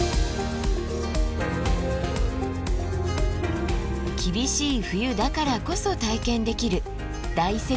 厳しい冬だからこそ体験できる大雪原の独り占め。